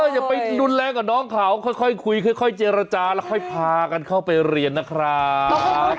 อย่าไปรุนแรงกับน้องเขาค่อยคุยค่อยเจรจาแล้วค่อยพากันเข้าไปเรียนนะครับ